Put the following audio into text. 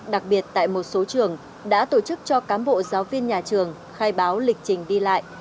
đặc biệt tại một số trường đã tổ chức cho cám bộ giáo viên nhà trường khai báo lịch trình đi lại